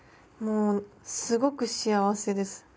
もうすごく幸せです。